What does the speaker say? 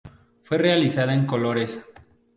Fue realizada en colores.